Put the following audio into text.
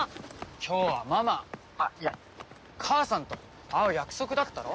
今日はママあっいや母さんと会う約束だったろ？